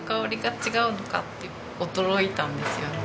驚いたんですよね。